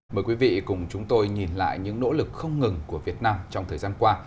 mời quý vị cùng chúng tôi nhìn lại những nỗ lực không ngừng của việt nam trong thời gian qua